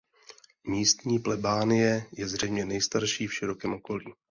Místní plebánie je zřejmě nejstarší v širokém okolí.